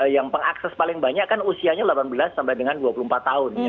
yang pengakses paling banyak kan usianya delapan belas sampai dengan dua puluh empat tahun